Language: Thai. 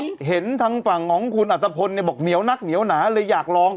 เห็นทางฝั่งของคุณอัตภพลเนี่ยบอกเหนียวนักเหนียวหนาเลยอยากลอง